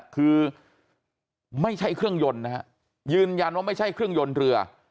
คือไม่ใช่เครื่องยนต์นะฮะยืนยันว่าไม่ใช่เครื่องยนต์เรือ